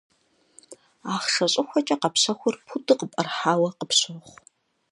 Ахъшэ щӏыхуэкӏэ къэпщэхур пуду къыпӏэрыхьауэ къыпщохъу.